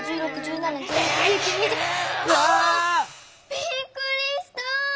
びっくりした！